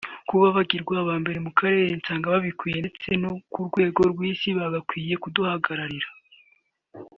Kuba bagirwa aba mbere mu Karere nsanga babikwiriye ndetse no ku rwego rw’isi bagakwiriye kuduhagararira”